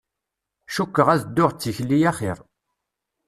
Cukkeɣ ad dduɣ d tikli axir.